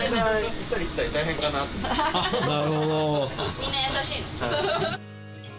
みんな優しいの。